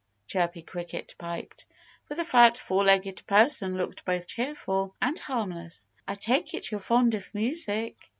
Chirpy Cricket piped; for the fat, four legged person looked both cheerful and harmless. "I take it you're fond of music."